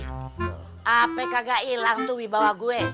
hp kagak hilang tuh di bawah gue